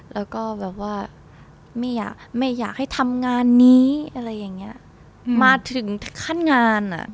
แล้วก็ไม่อยากให้ทำงานนี้มาถึงขั้นงานอะ